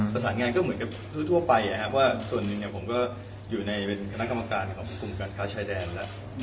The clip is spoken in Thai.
ประสานงานก็เหมือนกับทั่วไปนะครับว่าส่วนหนึ่งผมก็อยู่ในเป็นคณะกรรมการของควบคุมการค้าชายแดนแล้ว